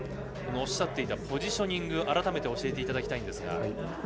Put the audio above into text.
おっしゃっていたポジショニング改めて教えていただきたいんですが。